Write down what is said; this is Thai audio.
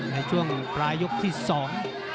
ในช่วงปลายกลุ่มที่สอง